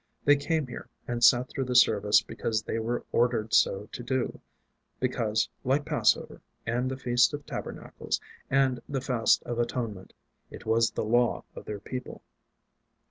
They came here and sat through the service because they were ordered so to do; because, like Passover, and the Feast of Tabernacles, and the Fast of Atonement, it was the Law of their People.